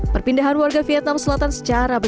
perpindahan warga vietnam selatan secara berbeda